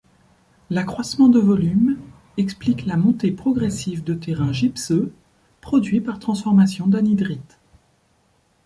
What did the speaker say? L'accroissement de volume explique la montée progressive de terrains gypseux, produit par transformation d'anhydrite.